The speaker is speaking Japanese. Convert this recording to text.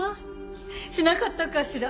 しなかったかしら。